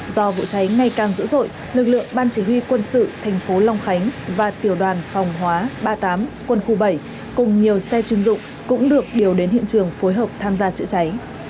do vụ cháy ngày càng dữ dội lực lượng ban chỉ huy quân sự thành phố long khánh và tiểu đoàn phòng hóa ba mươi tám quân khu bảy cùng nhiều xe chuyên dụng cũng được điều đến hiện trường phối hợp tham gia chữa cháy